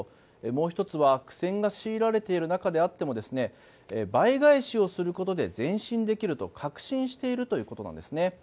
もう１つは、苦戦が強いられている中であっても倍返しをすることで前進できると確信しているということです。